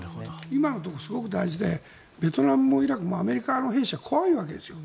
今のところすごく大事でベトナムもイラクもアメリカの兵士は怖いわけですよ。